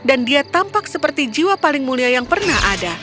dan dia tampak seperti jiwa paling mulia yang pernah ada